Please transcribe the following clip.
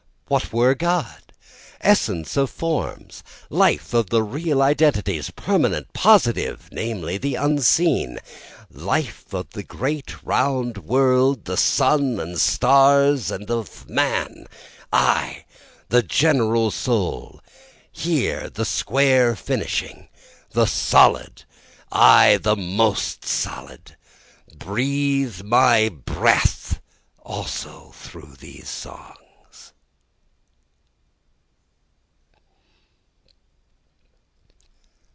what were God?) Essence of forms, life of the real identities, permanent, positive, (namely the unseen,) Life of the great round world, the sun and stars, and of man, I, the general soul, Here the square finishing, the solid, I the most solid, Breathe my breath also through these songs.